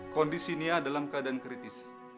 kondisi nia dalam keadaan kritis